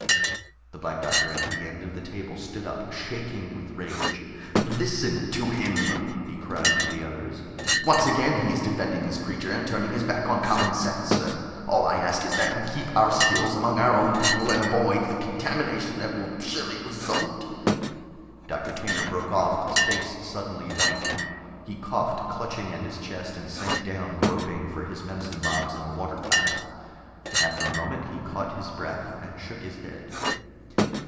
The Black Doctor at the end of the table stood up, shaking with rage. "Listen to him!" he cried to the others. "Once again he is defending this creature and turning his back on common sense. All I ask is that we keep our skills among our own people and avoid the contamination that will surely result " Doctor Tanner broke off, his face suddenly white. He coughed, clutching at his chest, and sank down groping for his medicine box and the water glass. After a moment he caught his breath and shook his head.